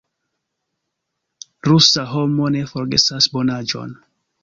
Rusa homo ne forgesas bonaĵon.